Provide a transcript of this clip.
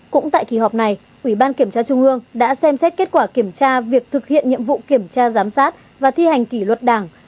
cũng tại kỳ họp này ủy ban kiểm tra trung ương đã xem xét kết quả kiểm tra việc thực hiện nhiệm vụ kiểm tra giám sát và thi hành kỷ luật đảng